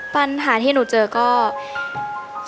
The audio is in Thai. ปัญหาที่หนูเจอก็